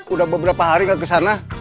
udah beberapa hari gak kesana